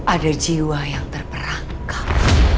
ada jiwa yang terperangkap